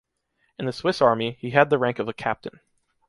In the Swiss army, he had the rank of a captain.